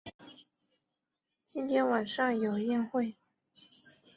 今天晚上有宴会